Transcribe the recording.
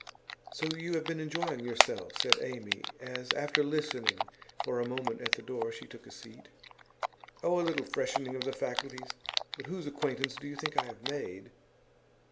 'So you have been enjoying yourself?' said Amy as, after listening for a moment at the door, she took a seat. 'Oh, a little freshening of the faculties. But whose acquaintance do you think I have made?